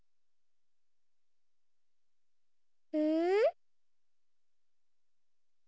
うん？